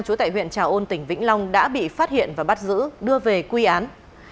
chú tại huyện trà ôn tỉnh vĩnh long đã bị phát hiện và bắt giữ đưa về quy án